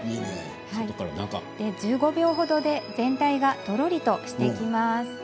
１５秒ほどで全体がとろりとしてきます。